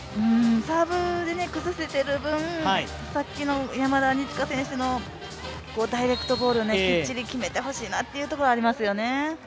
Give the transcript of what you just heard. サーブで崩せている分、さっきの山田二千華選手のダイレクトボール、きっちり決めてほしいなというところがありますね。